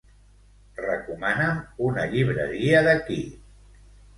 Recomana'm una llibreria d'aquí.